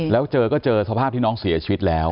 แล้วเจอก็เจอสภาพที่น้องเสียชีวิตแล้ว